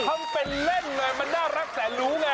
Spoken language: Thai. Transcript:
ต้องเป็นเล่นแบบมันน่ารักแซ่นรู้อ่ะ